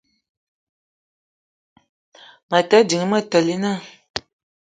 A te ding Metalina